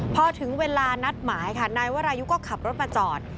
พอถึงเวลานัดหมายค่ะนายวรายุก็ขับรถมาจอด